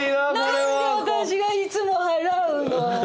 なんで私がいつも払うの？